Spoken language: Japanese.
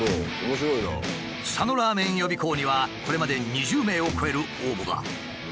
佐野らーめん予備校にはこれまで２０名を超える応募が。